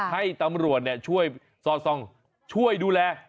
ให้ตำรวจช่วยสรภช่วยดูแล